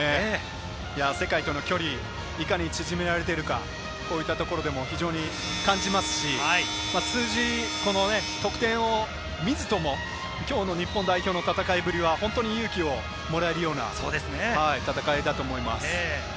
世界との距離、いかに縮められているか、こういったところでも非常に感じますし、この得点を見ずとも今日の日本代表の戦いぶりは勇気をもらえるような戦いだと思います。